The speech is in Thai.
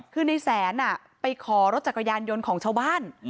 คือในแสนไปขอรถจักรยานยนต์ของชาวบ้าน